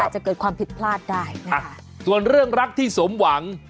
จะเกิดความผิดพลาดได้นะคะส่วนเรื่องรักที่สมหวัง